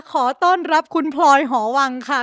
ขอต้อนรับคุณพลอยหอวังค่ะ